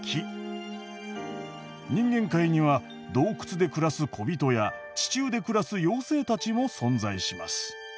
人間界には洞窟で暮らすこびとや地中で暮らす妖精たちも存在します。